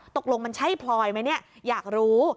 ตกลงมันใช่พลอยไหมอยากรู้